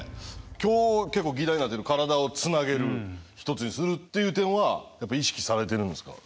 今日結構議題になってる「体をつなげる」ひとつにするっていう点はやっぱ意識されてるんですか？